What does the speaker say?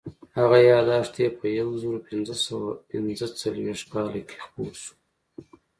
هغه یادښت یې په یو زرو پینځه سوه پینځه څلوېښت کال کې خپور شو.